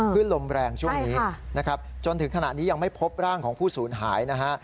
ขึ้นลมแรงช่วงนี้นะครับจนถึงขณะนี้ยังไม่พบร่างของผู้สูญหายนะฮะ